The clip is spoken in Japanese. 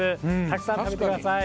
たくさん食べてください。